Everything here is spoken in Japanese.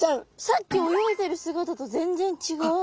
さっき泳いでる姿と全然ちがう。